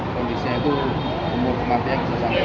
kondisinya itu umur kematian satu tiga dua belas bulan